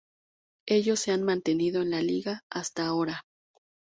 Ellos se han mantenido en la liga hasta ahora.